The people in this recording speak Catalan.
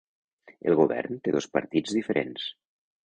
El govern té dos partits diferents.